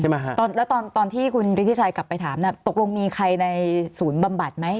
ตอนแล้วตอนตอนที่คุณฤทธิชัยกลับไปถามน่ะตกลงมีใครในศูนย์บำบัดไหม